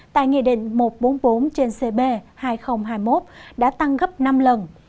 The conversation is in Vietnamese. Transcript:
tại nghị định một trăm bốn mươi bốn trên cb hai nghìn hai mươi một đã tăng gấp năm lần